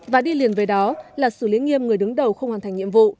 và đi liền với đó là xử lý nghiêm người đứng đầu không hoàn thành nhiệm vụ